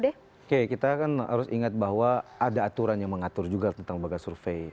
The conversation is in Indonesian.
oke kita kan harus ingat bahwa ada aturan yang mengatur juga tentang lembaga survei